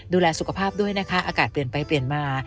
ดูแลสุขภาพด้วยนะคะอากาศเปลี่ยนไปเปลี่ยนมา